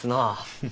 フフ。